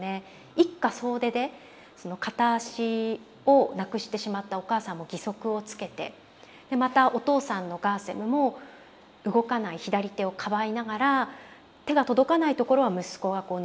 一家総出で片足をなくしてしまったお母さんも義足をつけてまたお父さんのカーセムも動かない左手をかばいながら手が届かない所は息子がこう塗ってくれたり。